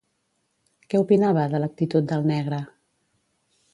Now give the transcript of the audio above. Què opinava de l'actitud del negre?